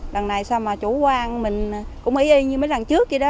đằng này sao mà chủ quan mình cũng ý y như mấy lần trước vậy đó